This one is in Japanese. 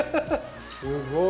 すごい。